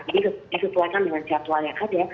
jadi kesesuaikan dengan jatual yang ada